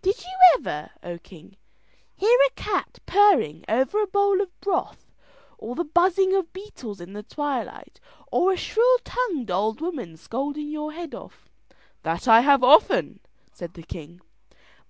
"Did you ever, O king, hear a cat purring over a bowl of broth, or the buzzing of beetles in the twilight, or a shrill tongued old woman scolding your head off?" "That I have often," said the king.